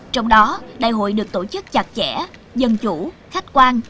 trong đó đại hội được tổ chức chặt chẽ dân chủ khách quan